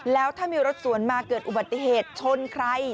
แล้วถ้ามีรถสวนมาเกิดอุบัติเหตุชนใคร